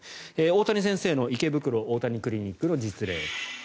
大谷先生の池袋大谷クリニックの実例。